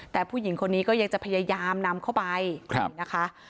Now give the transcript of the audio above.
แต่ผู้หญิงคนนี้ก็ยังจะพยายามนำเข้าไปนะคะ